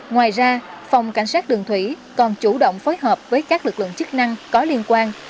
ngoài ra phòng cảnh sát đường thủy còn chủ động phối hợp với các lực lượng chức năng có liên quan